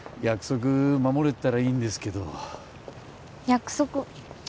約束守れてたらいいんですけど約束？